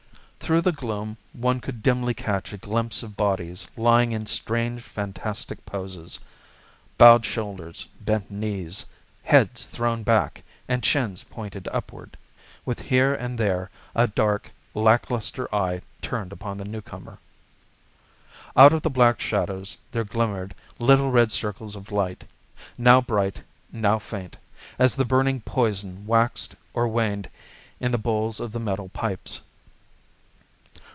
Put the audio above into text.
Through the gloom one could dimly catch a glimpse of bodies lying in strange fantastic poses, bowed shoulders, bent knees, heads thrown back, and chins pointing upward, with here and there a dark, lack lustre eye turned upon the newcomer. Out of the black shadows there glimmered little red circles of light, now bright, now faint, as the burning poison waxed or waned in the bowls of the metal pipes.